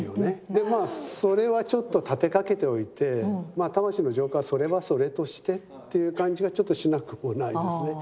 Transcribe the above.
でまあそれはちょっと立てかけておいて魂の浄化はそれはそれとしてっていう感じがちょっとしなくもないですね。